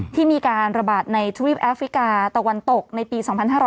ที่มีการระบาดในทวีปแอฟริกาตะวันตกในปี๒๕๕๙